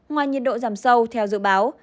ngoài nhiệt độ giảm sâu theo dự báo